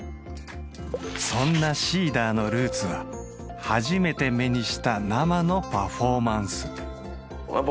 そんなＳｅｅｄｅｒのルーツははじめて目にした生のパフォーマンス僕